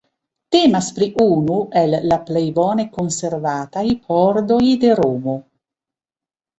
Temas pri unu el la plej bone konservataj pordoj de Romo.